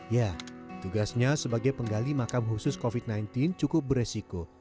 ya tugasnya sebagai penggali makam khusus covid sembilan belas cukup beresiko